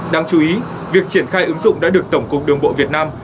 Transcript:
đáng chú ý việc triển khai ứng dụng đã được tổng cục đường bộ việt nam